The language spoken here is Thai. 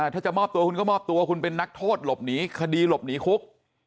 ถ้าจะมอบตัวคุณก็มอบตัวคุณเป็นนักโทษหลบหนีคดีหลบหนีคุก